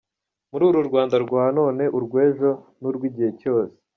Muri u Rwanda rwa none, urwejo nurwigihe cyose.